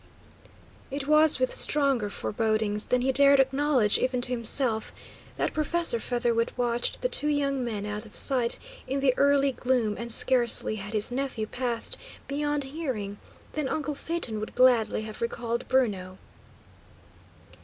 It was with stronger forebodings than he dared acknowledge even to himself, that Professor Featherwit watched the two young men out of sight in the early gloom, and scarcely had his nephew passed beyond hearing than uncle Phaeton would gladly have recalled Bruno.